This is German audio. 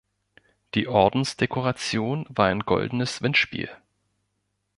Die Ordensdekoration war ein goldenes Windspiel.